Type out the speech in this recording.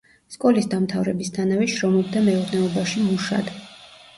სკოლის დამთავრებისთანავე შრომობდა მეურნეობაში მუშად.